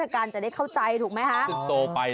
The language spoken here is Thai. อันนั้นจดหมายส่วนตัว